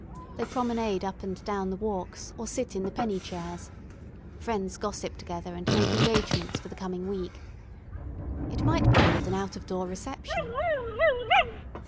They promenade up and down the walks or sit in the "penny" chairs. Friends gossip together, and make engagements for the coming week. It might be called an out of door reception.